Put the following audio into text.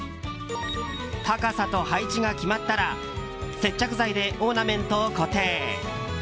高さと配置が決まったら接着剤でオーナメントを固定。